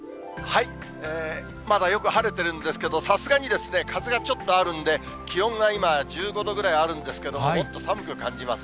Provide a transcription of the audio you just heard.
まだよく晴れてるんですけれども、さすがに風がちょっとあるんで、気温が今１５度ぐらいあるんですけど、もっと寒く感じます。